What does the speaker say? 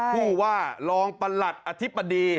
ภูว่ารองประหลักอธิบดี๔๐